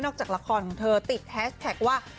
จากละครของเธอติดแฮชแท็กว่า